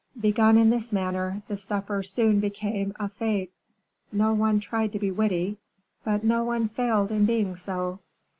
Begun in this manner, the supper soon became a fete; no one tried to be witty, but no one failed in being so.